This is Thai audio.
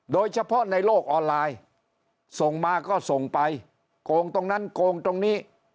โดยเฉพาะในโลกออนไลน์ส่งมาก็ส่งไปโกงตรงนั้นโกงตรงนี้